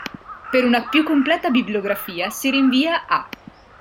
Per una più completa bibliografia, si rinvia a